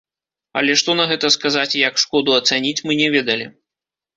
Але што на гэта сказаць і як шкоду ацаніць, мы не ведалі.